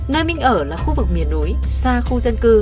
nơi minh ở là khu vực miền núi xa khu dân cư